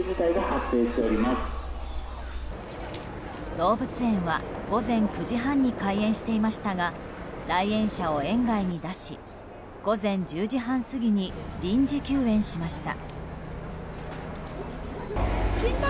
動物園は午前９時半に開園していましたが来園者を園外に出し午前１０時半過ぎに臨時休園しました。